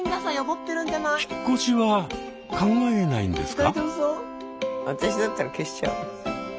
引っ越しは考えないんですか？